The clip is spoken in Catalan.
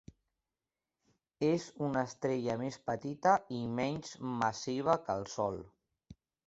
És una estrella més petita i menys massiva que el Sol.